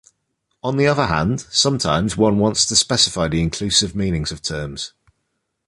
On the other hand, sometimes one wants to specify the inclusive meanings of terms.